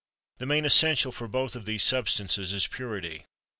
The main essential for both of these substances is purity.